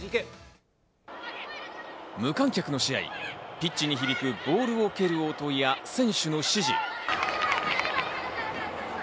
無観客の試合、ピッチに響くボールを蹴る音や選手の指示。